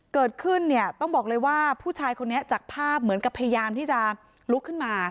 เกิดขึ้นเนี่ยต้องบอกเลยว่าผู้ชายคนนี้จากภาพเหมือนกับพยายามที่จะลุกขึ้นมา